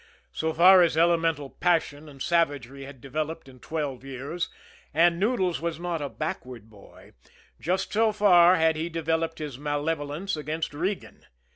So far as elemental passion and savagery had developed in twelve years, and Noodles was not a backward boy, just so far had he developed his malevolence against Regan.